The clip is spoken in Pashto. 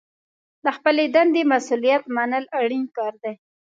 د خپلې دندې مسوولیت منل اړین کار دی.